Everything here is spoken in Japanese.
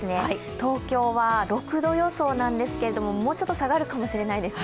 東京は６度予想なんですけれども、もうちょっと下がるかもしれないです。